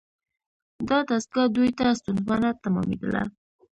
دا دستگاه دوی ته ستونزمنه تمامیدله.